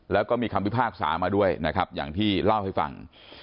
แล้วก็มีคำพิพากษามาด้วยนะครับอย่างที่เล่าให้ฟัง